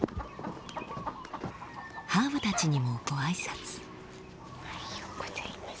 ハーブたちにもご挨拶。